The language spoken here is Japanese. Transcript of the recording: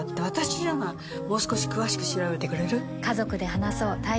もう少し詳しく調べてくれる？